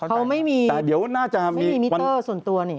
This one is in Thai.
เค้าไม่มีไม่มีมิเตอร์ส่วนตัวนี่